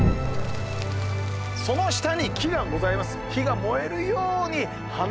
その下に木がございます。